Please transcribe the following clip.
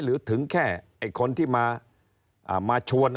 หรือถึงแค่คนที่มาชวน